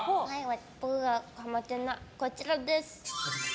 僕がハマってるのはこちらです。